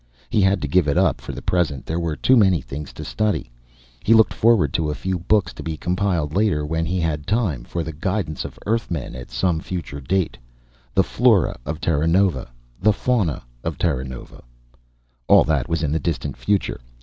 He had to give it up, for the present: there were too many things to study. He looked forward to a few books to be compiled later, when he had time, for the guidance of Earthmen at some future date: The Flora of Terranova, The Fauna of Terranova.... All that was for the distant future.